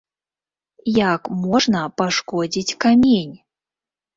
Як можна пашкодзіць камень?